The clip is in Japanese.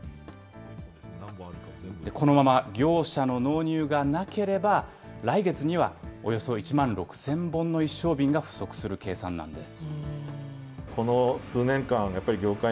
このまま業者の納入がなければ、来月にはおよそ１万６０００本の一升瓶が不足する計算なんです。